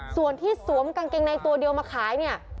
ส่วนที่สวมกางเกงในตัวเดียวมาขายเนี่ย